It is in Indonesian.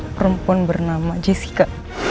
perempuan bernama jessica